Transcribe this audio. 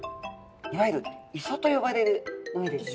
いわゆる磯と呼ばれる海ですね。